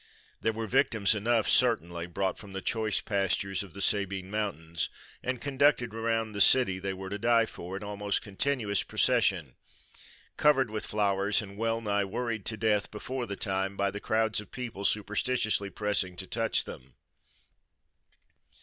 There were victims enough certainly, brought from the choice pastures of the Sabine mountains, and conducted around the city they were to die for, in almost continuous procession, covered with flowers and well nigh worried to death before the time by the crowds of people superstitiously pressing to touch them.